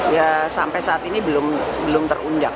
ya sampai saat ini belum terundang